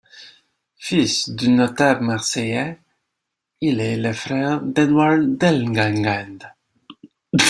Fils de notables marseillais, il est le frère d'Édouard Delanglade.